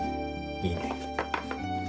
いいね。